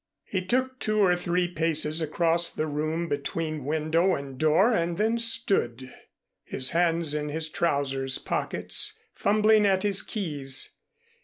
He took two or three paces across the room, between window and door and then stood, his hands in his trousers pockets, fumbling at his keys.